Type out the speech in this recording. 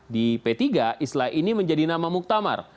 di p tiga islah ini menjadi nama muktamar